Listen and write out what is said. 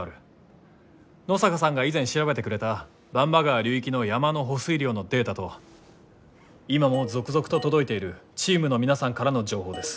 野坂さんが以前調べてくれた番場川流域の山の保水量のデータと今も続々と届いているチームの皆さんからの情報です。